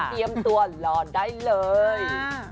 เตรียมตัวรอได้เลย